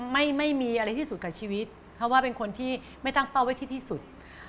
ไม่มีอะไรที่สุดกับชีวิตเพราะว่าเป็นคนที่ไม่ตั้งเป้าไว้ที่ที่สุด